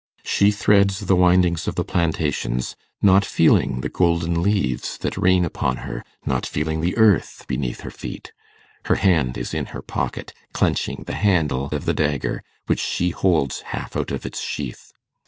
She threads the windings of the plantations, not feeling the golden leaves that rain upon her, not feeling the earth beneath her feet. Her hand is in her pocket, clenching the handle of the dagger, which she holds half out of its sheath.